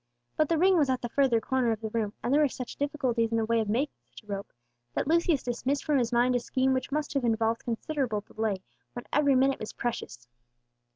But the ring was at the further corner of the room, and there were such difficulties in the way of making such a rope that Lucius dismissed from his mind a scheme which must have involved considerable delay, when every minute was precious.